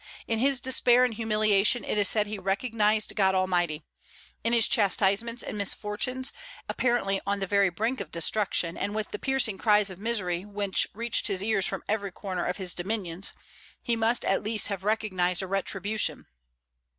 In his despair and humiliation it is said he recognized God Almighty. In his chastisements and misfortunes, apparently on the very brink of destruction, and with the piercing cries of misery which reached his ears from every corner of his dominions, he must, at least, have recognized a Retribution.